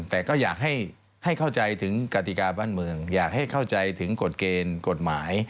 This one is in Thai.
แต่ก็อยากให้เข้าใจถึงกติกาบ้านเมืองอยากให้เข้าใจถึงกฎเกณฑ์กฎหมาย